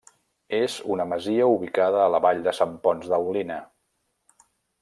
És una masia ubicada a la Vall de Sant Ponç d'Aulina.